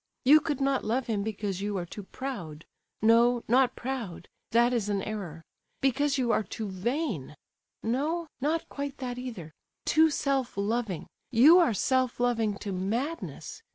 You could not love him because you are too proud—no, not proud, that is an error; because you are too vain—no, not quite that either; too self loving; you are self loving to madness.